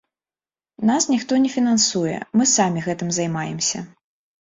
Нас ніхто не фінансуе, мы самі гэтым займаемся.